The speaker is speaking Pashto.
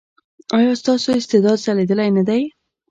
ایا ستاسو استعداد ځلیدلی نه دی؟